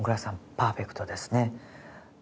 パーフェクトですね。